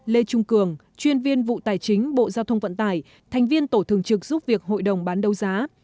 lê trung cường chuyên viên vụ tài chính bộ giao thông vận tải thành viên tổ thường trực giúp việc hội đồng bán đấu giá